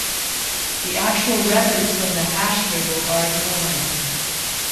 The actual records from the hash table are ignored.